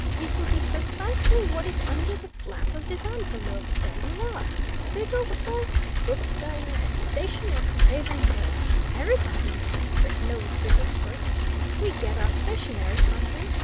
It would be precisely what it is under the flap of this envelope there you are! 'Bigglesforth, Bookseller and Stationer, Craven Hill.' Everybody in this district knows Bigglesforth we get our stationery from him.